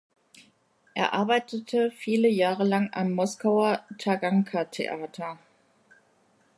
Er arbeitete viele Jahre lang am Moskauer Taganka-Theater.